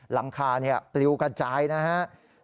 หลังคาปลิวกระจายนะครับ